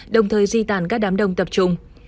đồng thời di tản các đám đông tập trung